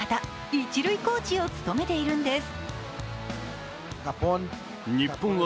一塁コーチを務めているんです。